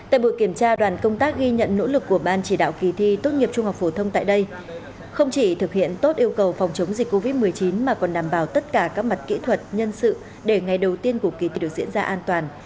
tại buổi kiểm tra đoàn công tác ghi nhận nỗ lực của ban chỉ đạo kỳ thi tốt nghiệp trung học phổ thông tại đây không chỉ thực hiện tốt yêu cầu phòng chống dịch covid một mươi chín mà còn đảm bảo tất cả các mặt kỹ thuật nhân sự để ngày đầu tiên của kỳ thi được diễn ra an toàn